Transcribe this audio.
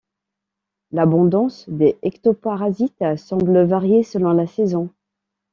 L'abondance des ectoparasites semble varier selon la saison.